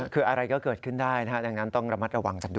คืออะไรก็เกิดขึ้นได้นะฮะดังนั้นต้องระมัดระวังกันด้วย